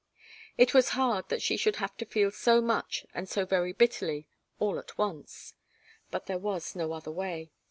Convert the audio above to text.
It was hard that she should have to feel so much and so very bitterly, and all at once. But there was no other way.